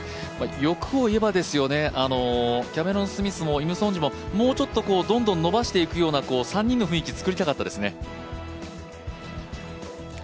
欲を言えば、キャメロン・スミスもイムソンジェももうちょっとどんどん伸ばしていくような３人の雰囲気作りたかったですね。